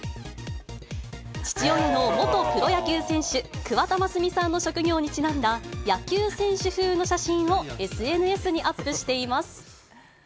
父親の元プロ野球選手、桑田真澄さんの職業にちなんだ野球選手風の写真をＳＮＳにアップしています。